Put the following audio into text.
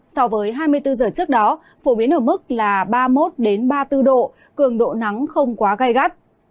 so với hai mươi bốn giờ trước đó phổ biến ở mức ba mươi một ba mươi bốn độ cường độ nắng không quá gai gắt